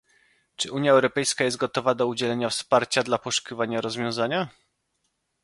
czy Unia Europejska jest gotowa do udzielenia wsparcia dla poszukiwania rozwiązania?